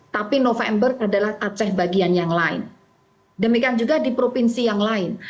tapi november adalah aceh bagian yang lain demikian juga di provinsi yang lain